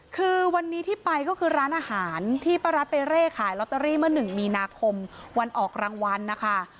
คือวันนี้ที่ไปก็คือร้านอาหารที่ป้ารัสไปเร่ขายลอตเตอรี่เมื่อ๑มีนาคมวันออกรางวัลนะคะ